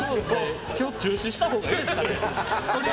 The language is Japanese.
今日中止したほうがいいですね。